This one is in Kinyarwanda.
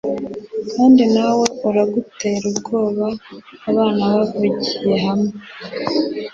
Kandi nawe uragutera ubwoba abana bavugiye hamwe